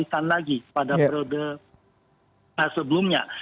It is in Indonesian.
bukan lagi pada periode sebelumnya